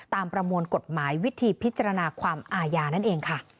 ประมวลกฎหมายวิธีพิจารณาความอาญานั่นเองค่ะ